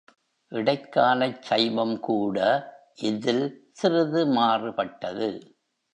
இடைக்காலச் சைவம் கூட இதில் சிறிது மாறுபட்டது.